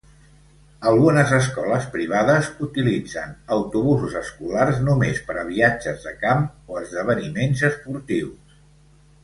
Algunes escoles privades utilitzen autobusos escolars només per a viatges de camp o esdeveniments esportius.